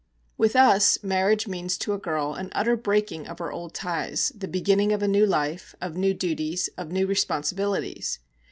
With us marriage means to a girl an utter breaking of her old ties, the beginning of a new life, of new duties, of new responsibilities.